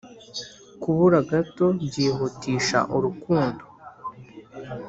kubura gato byihutisha urukundo,